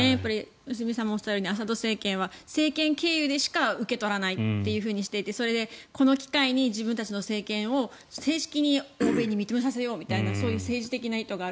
良純さんもおっしゃるように、アサド政権は政権経由でしか受け取らないとしていてそれでこの機会に自分たちの政権を正式に欧米に認めさせようみたいなそういう政治的な意図がある。